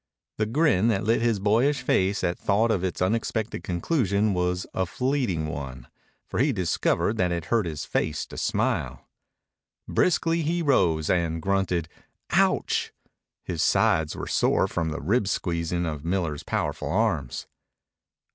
The grin that lit his boyish face at thought of its unexpected conclusion was a fleeting one, for he discovered that it hurt his face to smile. Briskly he rose, and grunted "Ouch!" His sides were sore from the rib squeezing of Miller's powerful arms.